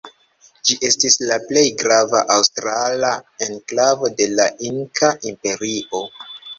Ĝi estis la plej grava aŭstrala enklavo de la Inkaa imperio.